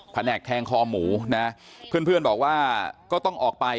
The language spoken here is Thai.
ผนักแทงคอหมูนะเพื่อนบอกว่าก็ต้องออกไป